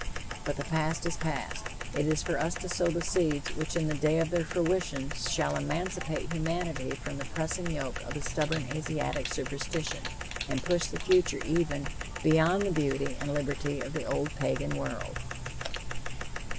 But the past is past. It is for us to sow the seeds which in the day of their fruition shall emancipate humanity from the pressing yoke of a stubborn Asiatic superstition, and push the future even beyond the beauty and liberty of the old Pagan world!